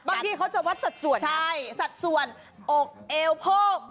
ที่เขาจะวัดสัดส่วนใช่สัดส่วนอกเอวโพก